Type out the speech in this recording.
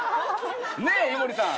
ねえ井森さん。